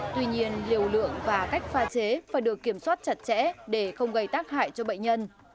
tuy nhiên liều lượng và cách pha chế phải được kiểm soát chặt chẽ để không gây tác hại cho bệnh nhân